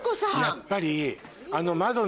やっぱり。